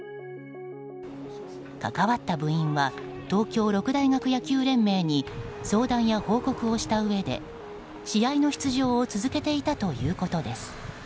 関わった部員は東京六大学野球連盟に相談や報告をしたうえで試合の出場を続けていたということです。